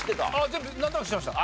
全部なんとなく知ってました。